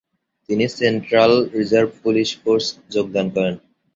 তিনি central reserve police force যোগদান করেন।